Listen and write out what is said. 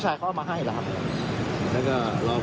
พี่อุ๋ยพ่อจะบอกว่าพ่อจะรับผิดแทนลูก